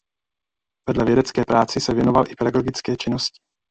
Vedle vědecké práci se věnoval i pedagogické činnosti.